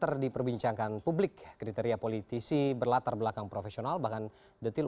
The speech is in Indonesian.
adi praitno terima kasih bang adi